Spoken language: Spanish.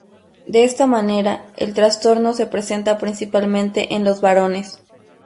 De esta manera, el trastorno se presenta principalmente en los varones.